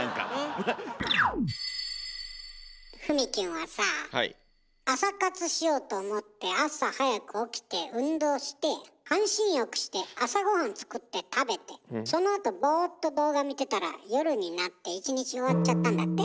はい。朝活しようと思って朝早く起きて運動して半身浴して朝御飯作って食べてそのあとボーっと動画見てたら夜になって１日終わっちゃったんだって？